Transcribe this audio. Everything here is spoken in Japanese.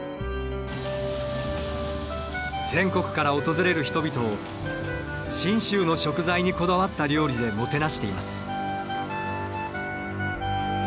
全国から訪れる人々を信州の食材にこだわった料理でもてなしています。